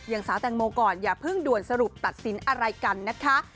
อย่างสาวแตงโมก่อนอย่าเพิ่งด่วนสรุปตัดสินอะไรกันนะคะ